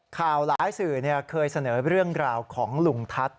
หลายสื่อเคยเสนอเรื่องราวของลุงทัศน์